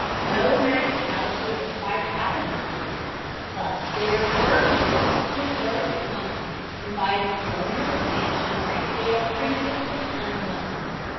No magic palaces or spice islands were found, but there were revealed two virgin continents inviting colonial expansion on a scale previously unknown.